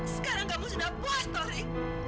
sekarang kamu sudah puas tauri